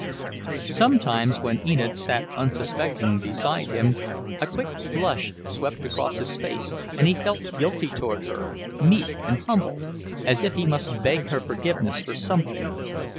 Sometimes when Enid sat unsuspecting beside him, a quick blush swept across his face and he felt guilty toward her, meek and humble, as if he must beg her forgiveness for something.